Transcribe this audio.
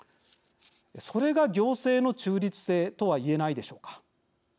それが行政の中立性とは言えないでしょうか。